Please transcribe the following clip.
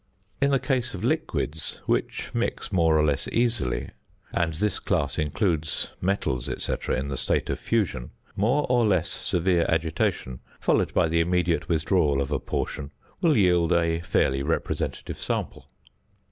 In the case of liquids, which mix more or less easily and this class includes metals, &c., in the state of fusion more or less severe agitation, followed by the immediate withdrawal of a portion, will yield a fairly representative sample.